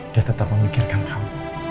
dia tetap memikirkan kamu